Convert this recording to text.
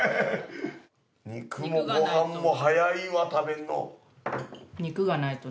肉もご飯も早いわ食べるの。